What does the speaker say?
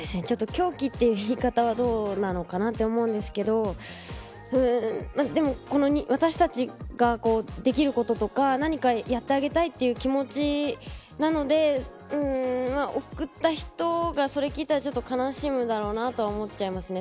狂気という言い方はどうなのかなと思うんですけどでも、私たちができることとか何かやってあげたいという気持ちなので送った人がそれを聞いたらちょっと悲しむだろうなとは思っちゃいますね。